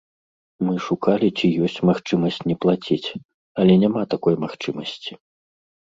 Мы шукалі, ці ёсць магчымасць не плаціць, але няма такой магчымасці.